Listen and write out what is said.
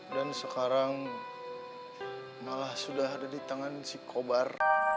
dan sekarang malah sudah ada di tangan si kobar